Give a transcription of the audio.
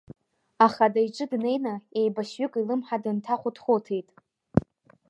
Ахада иҿы днеины еибашьҩык илымҳа дынҭахәыҭхәыҭит.